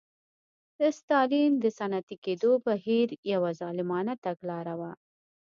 د ستالین د صنعتي کېدو بهیر یوه ظالمانه تګلاره وه